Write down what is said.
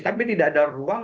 tapi tidak ada ruang